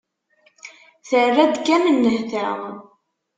Terra-d kan nnehta.